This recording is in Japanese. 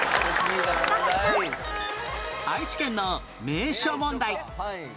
愛知県の名所問題